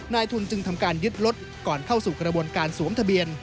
นายทุนจึงทำการยึดรถก่อนเข้าสู่กระบวนการสวมทะเบียน